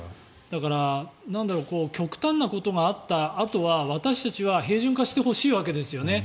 だから極端なことがあったあとは私たちは平準化してほしいわけですよね。